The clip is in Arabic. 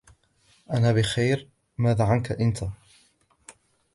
انا بخير ماذا عنك انت ؟